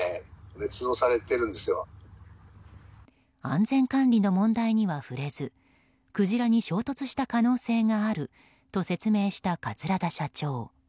安全管理の問題には触れずクジラに衝突した可能性があると説明した桂田社長。